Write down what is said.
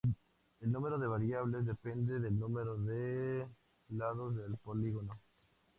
El número de variables depende del número de lados del polígono.